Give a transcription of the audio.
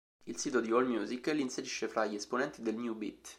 Il sito di "AllMusic" li inserisce fra gli esponenti del new beat.